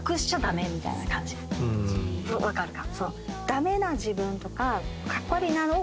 分かるかな？